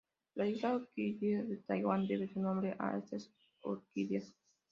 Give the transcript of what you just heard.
La isla Orquídea de Taiwán, debe su nombre a estas orquídeas.